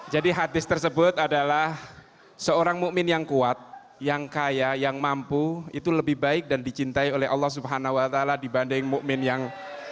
jadi hadis tersebut adalah seorang mu'min yang kuat yang kaya yang mampu itu lebih baik dan dicintai oleh allah swt dibanding mu'min yang